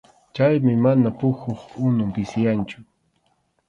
Chaymi mana pukyup unun pisiyanchu.